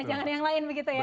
jangan yang lain begitu ya